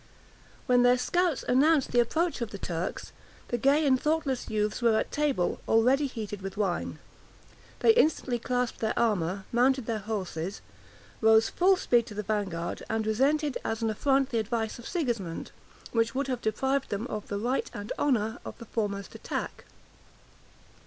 When their scouts announced the approach of the Turks, the gay and thoughtless youths were at table, already heated with wine; they instantly clasped their armor, mounted their horses, rode full speed to the vanguard, and resented as an affront the advice of Sigismond, which would have deprived them of the right and honor of the foremost attack.